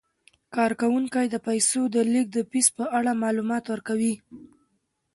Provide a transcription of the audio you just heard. کارکوونکي د پیسو د لیږد د فیس په اړه معلومات ورکوي.